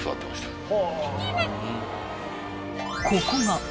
［ここが］